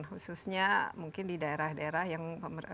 khususnya mungkin di daerah daerah yang